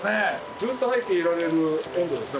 ずっと入っていられる温度ですね